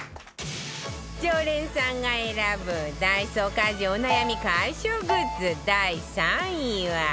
常連さんが選ぶダイソー家事お悩み解消グッズ第３位は